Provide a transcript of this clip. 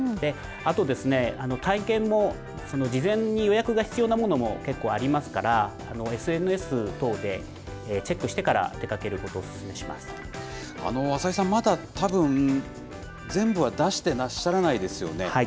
あとですね、体験も、事前に予約が必要なものも結構ありますから、ＳＮＳ等でチェックしてから出か浅井さん、まだたぶん全部は出してらっしゃらないですよね。